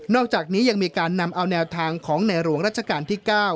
อกจากนี้ยังมีการนำเอาแนวทางของในหลวงรัชกาลที่๙